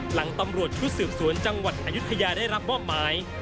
หลังตำรวจชุดสืบสวนจังหวัดอายุทยาได้รับมอบหมาย